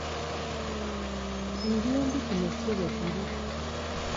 Eby’embi kino si bwe kiri.